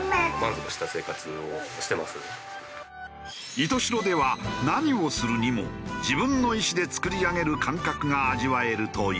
石徹白では何をするにも自分の意思で作り上げる感覚が味わえるという。